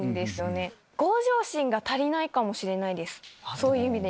そういう意味で。